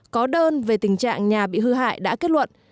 có đơn về tình trạng nhà bị hư hại đã kết luận